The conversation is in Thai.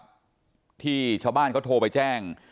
เจ้าของพื้นที่นะครับที่ชาวบ้านเขาโทรไปแจ้ง